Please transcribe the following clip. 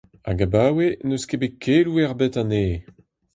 Hag abaoe n'eus bet keloù ebet anezhe.